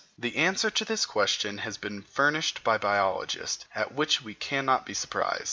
The answer to this question has been furnished by biologists, at which we cannot be surprised.